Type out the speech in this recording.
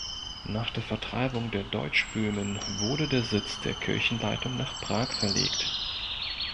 Nach der Vertreibung der Deutschböhmen wurde der Sitz der Kirchenleitung nach Prag verlegt.